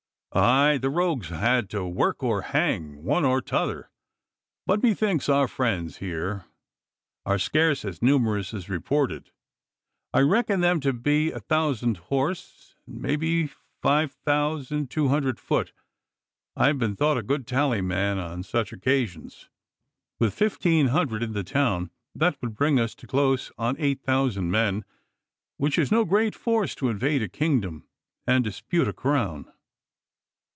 'Aye, the rogues had to work or hang one or t'other. But methinks our friends here are scarce as numerous as reported. I reckon them to be a thousand horse, and mayhap five thousand two hundred foot. I have been thought a good tally man on such occasions. With fifteen hundred in the town that would bring us to close on eight thousand men, which is no great force to invade a kingdom and dispute a crown.